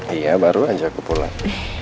iya baru aja aku pulang